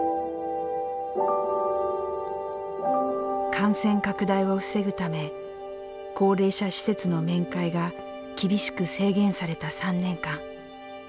感染拡大を防ぐため高齢者施設の面会が厳しく制限された３年間。